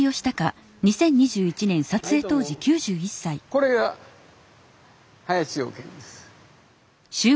これが林養賢です。